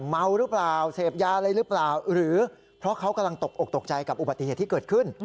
เมาหรือเปล่าเสพยาอะไรหรือเปล่าหรือเพราะเขากำลังตกอกตกใจกับอุบัติเหตุที่เกิดขึ้น